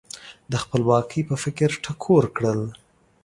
د خپلواکۍ په فکر ټکور کړل.